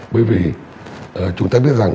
bởi vì chúng ta biết rằng